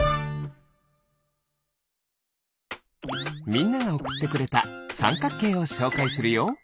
みんながおくってくれたさんかくけいをしょうかいするよ。